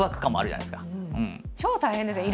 超大変ですね。